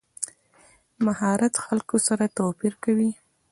مهارت خلک سره توپیر کوي.